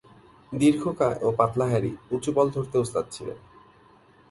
দীর্ঘকায় ও পাতলা হ্যারি উচু বল ধরতে ওস্তাদ ছিলেন।